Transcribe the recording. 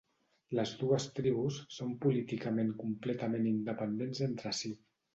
Les dues tribus són políticament completament independents entre si.